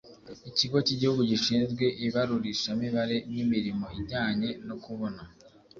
Ikigo cy igihugu gishinzwe ibarurishamibare n imirimo ijyanye no kubona